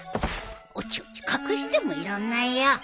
おちおち隠してもいらんないよ！